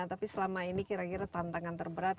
tapi selama ini kira kira tantangan terberat